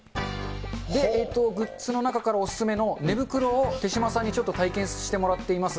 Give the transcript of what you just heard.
グッズの中からお勧めの寝袋を、手嶋さんにちょっと体験してもらっています。